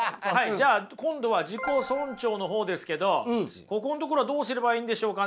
じゃあ今度は自己尊重の方ですけどここのところはどうすればいいんでしょうかね？